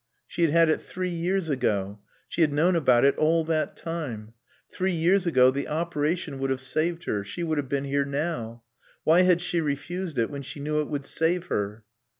She had had it three years ago. She had known about it all that time. Three years ago the operation would have saved her; she would have been here now. Why had she refused it when she knew it would save her?